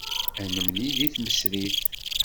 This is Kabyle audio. Ad nemlil deg tmesrit.